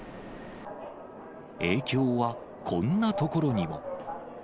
影響はこんなところにも。